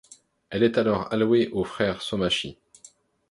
Elle est alors allouée aux frères Somaschi.